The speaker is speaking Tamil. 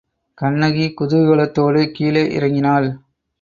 கண்ணகி குதூகலத்தோடு கீழே இறங்கினாள்.